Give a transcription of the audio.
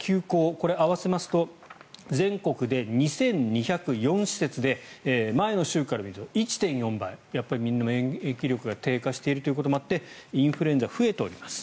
これ、合わせますと全国で２２０４施設で前の週から見ると１．４倍みんな免疫力が低下しているということもあってインフルエンザが増えております。